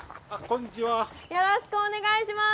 よろしくお願いします。